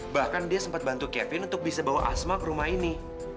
bahkan dia sempat bantu kevin untuk bisa bawa asma ke rumah ini